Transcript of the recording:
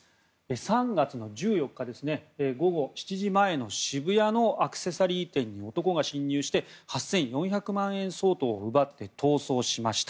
３月の１４日、午後７時前の渋谷のアクセサリー店に男が侵入して８４００万円相当を奪って逃走しました。